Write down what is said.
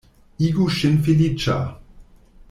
Igu ŝin feliĉa!